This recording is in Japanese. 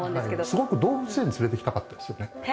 すごく動物園に連れていきたかったんですよね。